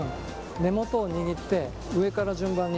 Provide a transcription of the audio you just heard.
根元を握って、上から順番に。